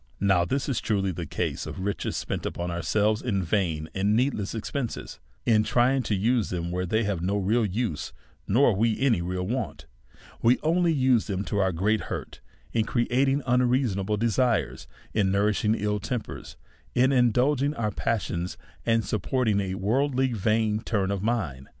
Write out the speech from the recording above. Now, this is truly the case of riciies spent upon our selves in vain and needless expenses ; in trying to use them where they have no real use, nor we any real want, we only use them to our great hurt, in creating unreasonable desires, in nourishing ill tempers, in in dulging our passions, and supporting a worldly vain turn of mind.